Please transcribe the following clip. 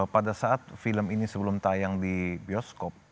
pada saat film ini sebelum tayang di bioskop